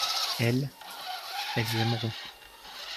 elles, elles aimeront.